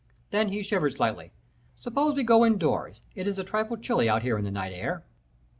Then he shivered slightly. 'Suppose we go in doors, it is a trifle chilly out here in the night air.'